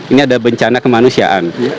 ini ada bencana kemanusiaan